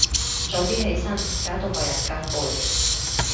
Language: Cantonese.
早啲起身，搞到個人夠攰